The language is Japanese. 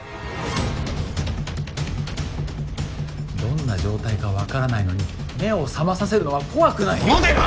どんな状態か分からないのに目を覚まさせるのは怖くない？